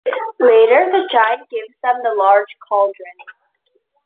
Later the giant gives them the large cauldron.